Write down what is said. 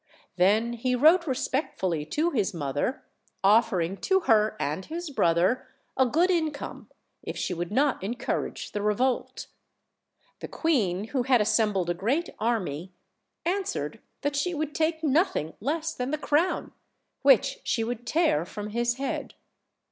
Then he wrote respectfully to his mother, offer ing to her and his brother a good income if she would not encourage the revolt. The queen, who had assem bled a great army, answered that she would take nothing less than the crown, which she would tear from his head.